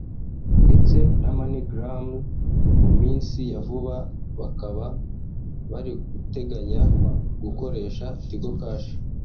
ndetse na Money Gram; mu minsi yavuba bakaba bariguteganya gukoresha Tigo cash